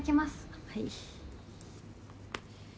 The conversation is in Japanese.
はい。